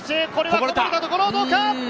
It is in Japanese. こぼれたところ、どうか？